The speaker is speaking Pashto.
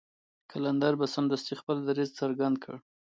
قلندر به سمدستي خپل دريځ څرګند کړ.